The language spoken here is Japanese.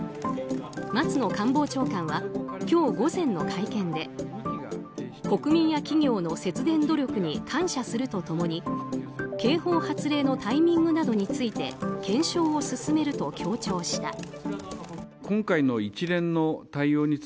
松野官房長官は今日午前の会見で国民や企業の節電努力に感謝すると共に警報発令のタイミングなどについて検証を進めると強調した。